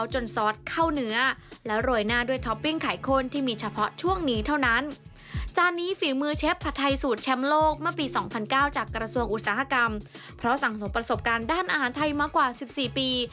หลังสมประสบการณ์ด้านอาหารไทยมากกว่า๑๔ปี